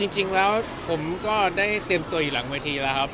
จริงแล้วผมก็ได้เตรียมตัวอยู่หลังเวทีแล้วครับ